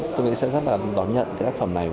tôi nghĩ sẽ rất là đón nhận cái tác phẩm này